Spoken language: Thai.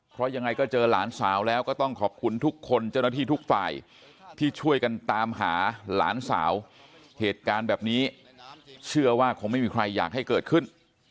เพราะยังไงก็เจอหลานสาวแล้วก็ต้องขอบคุณทุกคนเจ้าหน้าที่ทุกฝ่ายที่ช่วยกันตามหาหลานสาวเหตุการณ์แบบนี้เชื่อว่าคงไม่มีใครอยากให้เกิดขึ้น